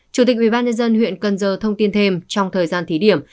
chủ tịch ubnd huyện cần giờ thông tin thêm trong thời gian thí điểm